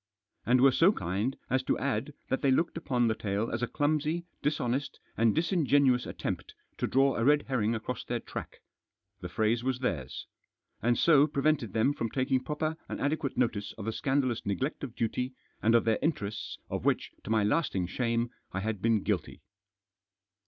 And were so kind as to add that they looked upon the tale as a clumsy, dishonest, and disingenuous attempt to draw a red herring across their track— the phrase was theirs !— and so prevented them from taking proper and adequate notice of the scandalous neglect of duty, and of their interests, of which, to my lasting shame, I had been guilty.